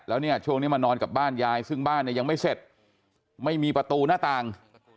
แล้วเนี่ยช่วงนี้มานอนกับบ้านยายซึ่งบ้านเนี่ยยังไม่เสร็จไม่มีประตูหน้าต่าง